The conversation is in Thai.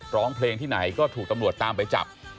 ร้องเพลงที่ไหนก็ถูกตำรวจตามไปจับ